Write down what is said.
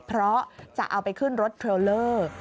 เพราะจะเอาไปขึ้นรถเทรลเลอร์